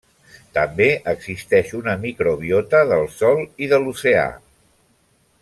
També existeix una microbiota del sòl i de l'oceà.